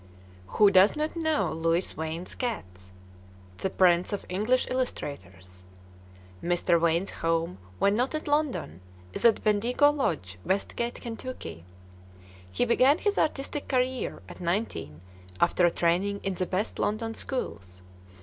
Who does not know Louis Wain's cats? that prince of English illustrators. Mr. Wain's home, when not in London, is at Bendigo Lodge, Westgate, Kent. He began his artistic career at nineteen, after a training in the best London schools.